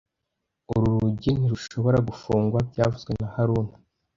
Uru rugi ntirushobora gufungwa byavuzwe na haruna